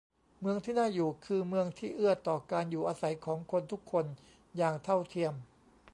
เมืองที่น่าอยู่คือเมืองที่เอื้อต่อการอยู่อาศัยของคนทุกคนอย่างเท่าเทียม